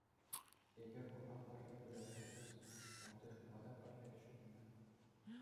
Эпир унпа пӗрле выляса ӳснӗ, ялти шкула та пӗрлех ҫӳренӗ.